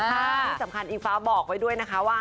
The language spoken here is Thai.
ที่สำคัญอิงฟ้าบอกไว้ด้วยนะคะว่า